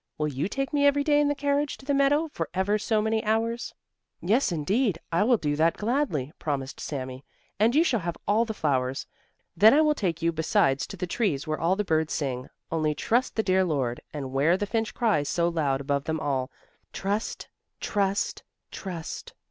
Will you take me every day in the carriage to the meadow for ever so many hours?" "Yes, indeed, I will do that gladly," promised Sami, "and you shall have all the flowers. Then I will take you besides to the trees where all the birds sing 'Only trust the dear Lord!' and where the finch cries so loud above them all: 'Trust! Trust! Trust!